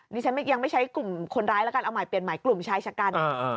นี่ฉันยังไม่ใช้กลุ่มคนร้ายแล้วกันเอาใหม่เปลี่ยนใหม่กลุ่มชายชะกัน